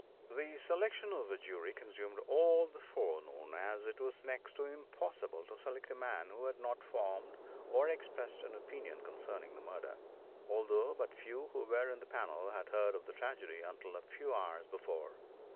The selection of a jury consumed all the forenoon, as it was next to impossible to select a man who had not formed or expressed an opinion concerning the murder, although but few who were in the panel had heard of the tragedy until a few hours before.